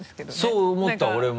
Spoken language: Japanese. そう思った俺も。